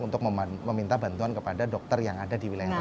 untuk meminta bantuan kepada dokter yang ada di wilayah